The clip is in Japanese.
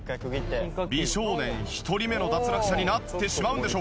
美少年１人目の脱落者になってしまうんでしょうか？